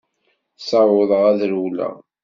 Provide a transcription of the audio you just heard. Ssawḍeɣ ad rewleɣ.